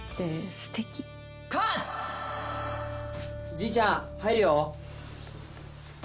じいちゃん入るよ。